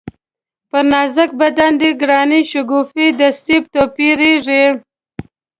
پر نازک بدن دی گرانی شگوفې د سېب تویېږی